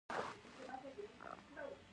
خو په وروسته پاتې ټولنو کې حالت بل ډول دی.